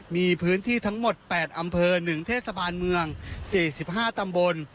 มีพื้นที่ทั้งหมดแปดอำเภอหนึ่งเทศสะพานเมืองสี่สิบห้าตำบล